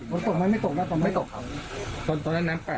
มันตกไหมไม่ตกครับมันไม่ตกครับ